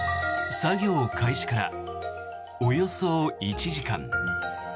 作業開始からおよそ１時間。